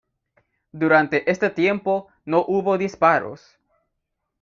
Durante este tiempo, no hubo disparos.